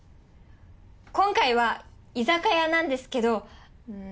今回は居酒屋なんですけどん